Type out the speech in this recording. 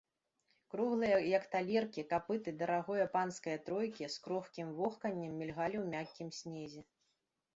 Круглыя, як талеркі, капыты дарагое панскае тройкі з крохкім вохканнем мільгалі ў мяккім снезе.